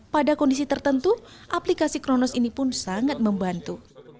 pada kondisi tertentu aplikasi kronos ini pun sangat membantu